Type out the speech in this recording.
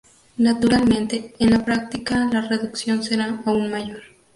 Naturalmente, en la práctica la reducción será aún mayor.